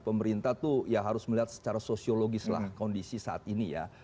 pemerintah tuh ya harus melihat secara sosiologis lah kondisi saat ini ya